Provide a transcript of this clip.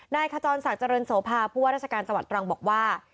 ขจรศักดิ์เจริญโสภาผู้ว่าราชการจังหวัดตรังบอกว่า